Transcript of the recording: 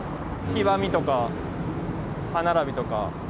黄ばみとか歯並びとか。